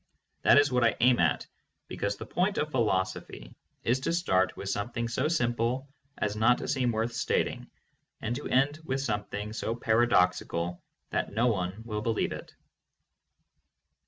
That is what I aim at, because the point of philosophy is to start with something so simple as not to seem worth stating, and to end with something so paradoxical that no one will be lieve it.